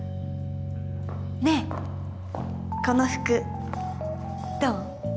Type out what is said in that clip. ねえこの服どう？